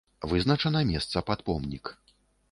Вызначана месца пад помнік.